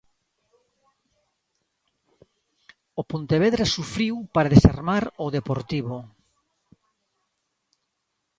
O Pontevedra sufriu para desarmar o Deportivo.